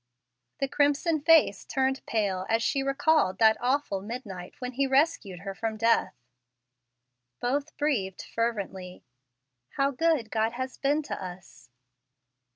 The crimson face turned pale as she recalled that awful midnight when he rescued her from death. Both breathed fervently, "How good God has been to us!"